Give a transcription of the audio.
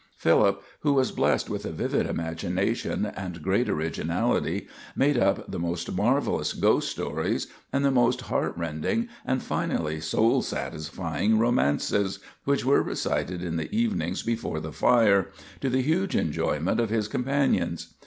Philip, who was blessed with a vivid imagination and great originality, made up the most marvelous ghost stories and the most heartrending and finally soul satisfying romances, which were recited in the evenings before the fire, to the huge enjoyment of his companions.